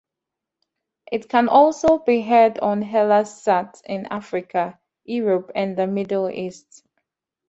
It can also be heard on Hellas-Sat in Africa, Europe and the Middle East.